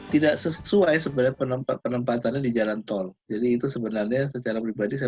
tidak sesuai sebenarnya penempatannya di jalan tol jadi itu sebenarnya secara pribadi saya